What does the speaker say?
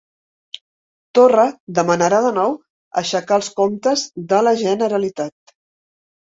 Torra demanarà de nou aixecar els comptes de la Generalitat